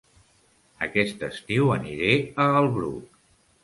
Aquest estiu aniré a El Bruc